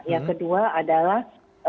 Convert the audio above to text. yang kedua adalah